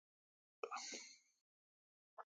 می شی بدلال ۔